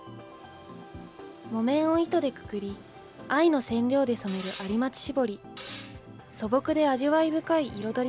木綿を糸でくくり、藍の染料で染める有松絞り。